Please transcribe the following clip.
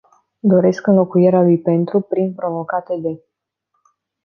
Doresc înlocuirea lui "pentru” prin "provocate de”.